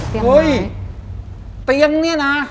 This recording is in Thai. เฮ้ยเตียงเนี่ยนะ